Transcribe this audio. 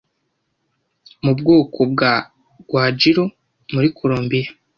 Mu bwoko bw'aba Guajiro muri Colombia,